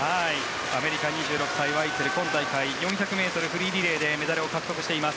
アメリカ２６歳ワイツェル４００ｍフリーリレーでメダルを獲得しています。